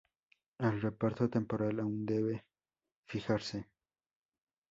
El reparto temporal aún debe fijarse.